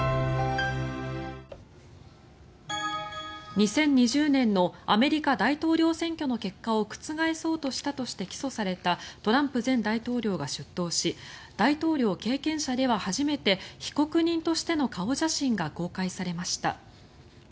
２０２０年のアメリカ大統領選挙の結果を覆そうとしたとして起訴されたトランプ前大統領が出頭し大統領経験者では初めて被告人としての顔写真が公開されました。